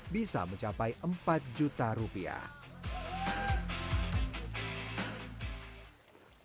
bisa mencapai empat juta rupiah